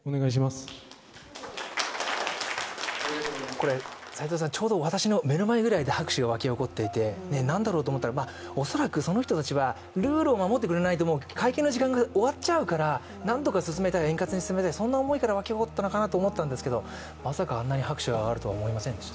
これ、ちょうど私の目の前くらいで拍手が湧き起こっていて、何だろうと思ったら、恐らくその人たちはルールを守らないと会見の時間が終わっちゃうから、なんとか円滑に進めたい、そんな思いから湧き起こったのかなと思ったんですけれどもまさかあんなに拍手が上がるとは思いませんでした。